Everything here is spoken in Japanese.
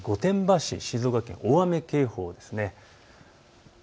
まず、御殿場市、静岡県、大雨警報です。